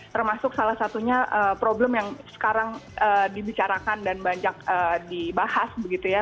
termasuk salah satunya problem yang sekarang dibicarakan dan banyak dibahas begitu ya